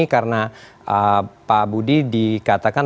karena pak budi dikatakan